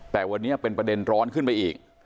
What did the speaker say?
แต่วันนี้เป็นประเด็นร้อนขึ้นไปอีก